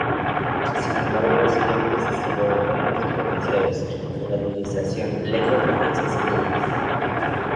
Sin embargo, siguieron existiendo dos reinos diferenciados en administración, lenguas romances y leyes.